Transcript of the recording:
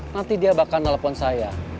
nanti dia bakal menelpon saya